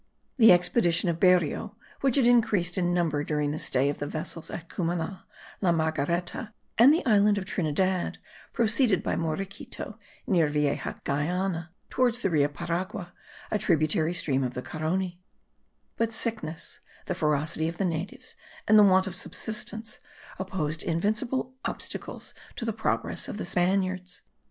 The expedition of Berrio which had increased in number during the stay of the vessels at Cumana, La Margareta, and the island of Trinidad, proceeded by Morequito (near Vieja Guayana) towards the Rio Paragua, a tributary stream of the Carony; but sickness, the ferocity of the natives, and the want of subsistence, opposed invincible obstacles to the progress of the Spaniards.